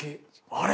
あれ？